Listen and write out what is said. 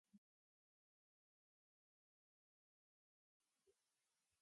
Se encuentra en la Argentina y Uruguay.